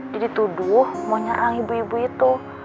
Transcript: dia dituduh mau nyerang ibu ibu itu